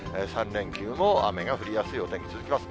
３連休も雨が降りやすいお天気続きます。